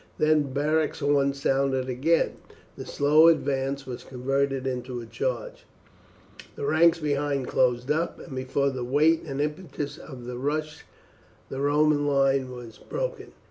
Then Beric's horn sounded again, the slow advance was converted into a charge, the ranks behind closed up, and before the weight and impetus of the rush the Roman line was broken.